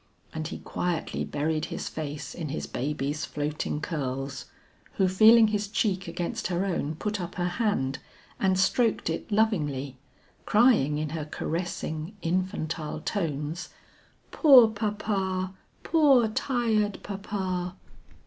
And he quietly buried his face in his baby's floating curls, who feeling his cheek against her own put up her hand and stroked it lovingly, crying in her caressing infantile tones, "Poor papa! poor tired papa."